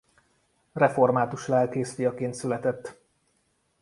Református lelkész fiaként született.